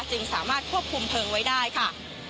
จึงสามารถควบคุมเพลิงไว้ได้ค่ะ